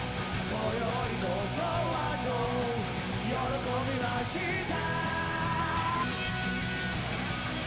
「今宵こそはとよろこびました」